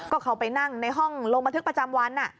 ก็เข้าไปนั่งในห้องลงบันทึกประจำวัน